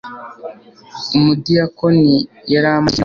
umudiyakoni yari amaze igihe kinini apfuye, ariko